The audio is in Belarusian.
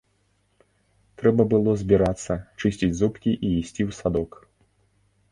Трэба было збірацца, чысціць зубкі і ісці ў садок.